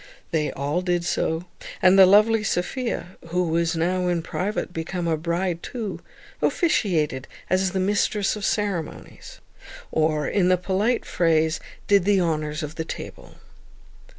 They all did so; and the lovely Sophia, who was now in private become a bride too, officiated as the mistress of the ceremonies, or, in the polite phrase, did the honours of the table.